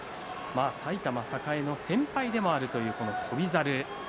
埼玉栄の先輩でもあるという翔猿